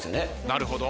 なるほど。